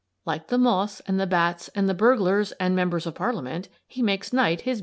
Like the moths and the bats and the burglars and members of Parliament, he makes night his busy day.